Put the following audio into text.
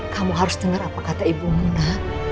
kamu harus dengar apa kata ibu muna